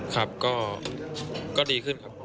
ครับก็ดีขึ้นครับ